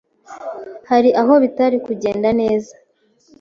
hari aho bitari kugenda neza.